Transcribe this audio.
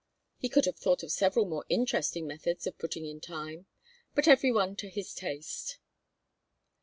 He could have thought of several more interesting methods of putting in time; but every one to his taste.